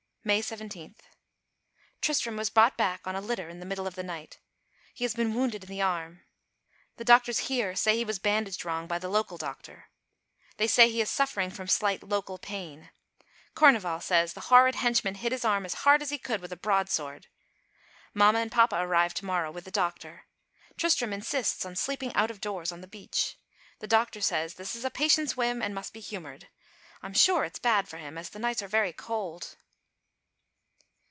May 17. Tristram was brought back on a litter in the middle of the night. He has been wounded in the arm. The doctors here say he was bandaged wrong by the local doctor. They say he is suffering from slight local pain. Kurneval says the horrid henchman hit his arm as hard as he could with a broad sword. Papa and mamma arrive to morrow with the doctor. Tristram insists on sleeping out of doors on the beach. The doctor says this is a patient's whim and must be humoured. I'm sure it's bad for him, as the nights are very cold.